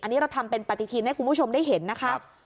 อันนี้เราทำเป็นปฏิทินให้คุณผู้ชมได้เห็นนะคะ